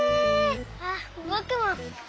ああぼくも。